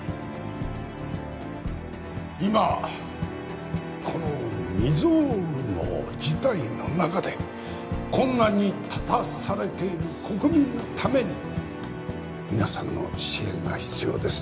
今この未曽有の事態の中で困難に立たされている国民のために皆さんの支援が必要です